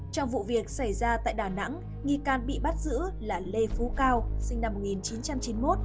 trong vụ việc xảy ra tại đà nẵng nghi can bị bắt giữ là lê phú cao sinh năm một nghìn chín trăm chín mươi một